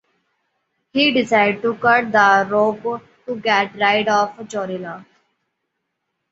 He decided to cut the rope to get rid of cholera.